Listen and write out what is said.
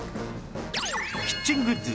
キッチングッズ